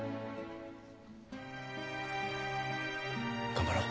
頑張ろう。